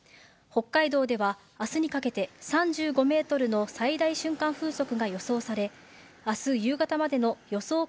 北海道では、あすにかけて３５メートルの最大瞬間風速が予想され、あす夕方までの予想